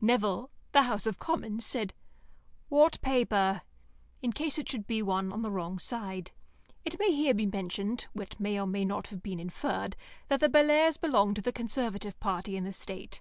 Nevill (the House of Commons) said, "What paper?" in case it should be one on the wrong side. It may here be mentioned (what may or may not have been inferred) that the Bellairs' belonged to the Conservative party in the state.